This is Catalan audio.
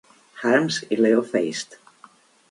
Harms, i Leo Feist.